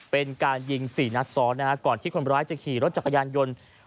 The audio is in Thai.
เป็นการยิง๔นัดซ้อนนะฮะก่อนที่คนร้ายจะขี่รถจักรยานยนต์